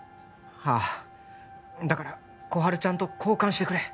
ああだから心春ちゃんと交換してくれ